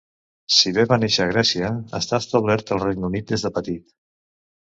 Si bé va néixer a Grècia, està establert al Regne Unit des de petit.